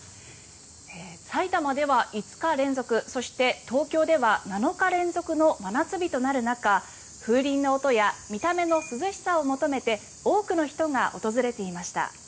埼玉では５日連続そして東京では７日連続の真夏日となる中風鈴の音や見た目の涼しさを求めて多くの人が訪れていました。